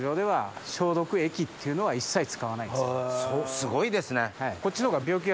すごいですね。